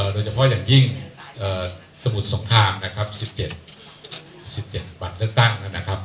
โดยเฉพาะอย่างยิ่งสมุทรสงครามนะครับ๑๗บัตรเลือกตั้งนะครับ